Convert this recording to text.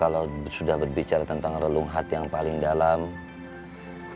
hai pasti gak bisa condong air mata karena buat gue dan buat kita semua sebagai laki laki eri